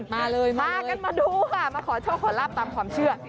มาเลยมากันมาดูค่ะมาขอโชคขอลาบตามความเชื่อ